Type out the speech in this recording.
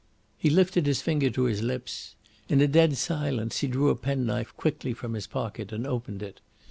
He lifted his finger to his lips. In a dead silence he drew a pen knife quickly from his pocket and opened it.